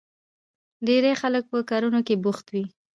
ډېری خلک په کړنو کې بوخت وي.